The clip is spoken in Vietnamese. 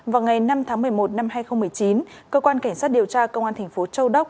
vào ngày năm tháng một mươi một năm hai nghìn một mươi chín cơ quan cảnh sát điều tra công an thành phố châu đốc